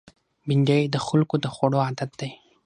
بېنډۍ د خلکو د خوړو عادت دی